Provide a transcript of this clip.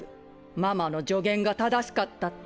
ママの助言が正しかったって。